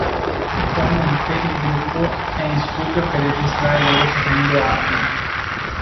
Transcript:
Attualmente il gruppo è in studio per registrare il loro secondo album.